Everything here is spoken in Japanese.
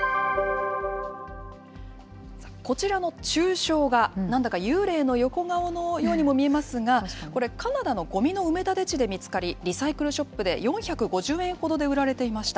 こちらの抽象画、なんだか幽霊の横顔のようにも見えますが、これ、カナダのごみの埋め立て地で見つかり、リサイクルショップで４５０円ほどで売られていました。